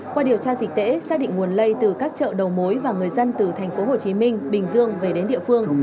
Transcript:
qua điều tra dịch tễ xác định nguồn lây từ các chợ đầu mối và người dân từ thành phố hồ chí minh bình dương về đến địa phương